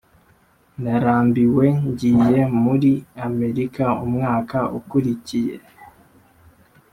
ndarambiwe ngiye muri amerika umwaka ukurikiye